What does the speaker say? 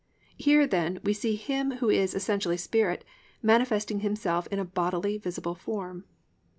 "+ Here, then, we see Him who was essentially spirit manifesting Himself in a bodily, visible form.